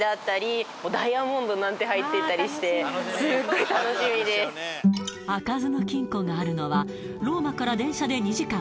ごい開かずの金庫があるのはローマから電車で２時間